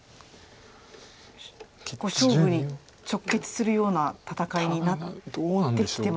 結構勝負に直結するような戦いになってきてますか？